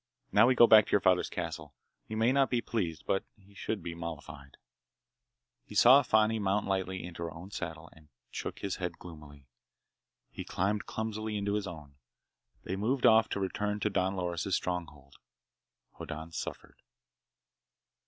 Now we go back to your father's castle. He may not be pleased, but he should be mollified." He saw Fani mount lightly into her own saddle and shook his head gloomily. He climbed clumsily into his own. They moved off to return to Don Loris' stronghold. Hoddan suffered.